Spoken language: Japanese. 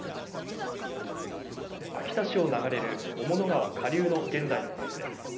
秋田市を流れる雄物川下流の現在の様子です。